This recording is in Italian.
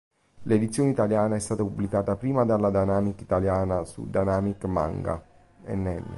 L'edizione italiana è stata pubblicata prima dalla Dynamic Italia su "Dynamic Manga" nn.